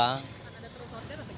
kan ada terus order atau gitu